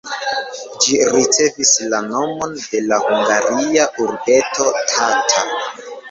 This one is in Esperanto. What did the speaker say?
Ĝi ricevis la nomon de la hungaria urbeto Tata.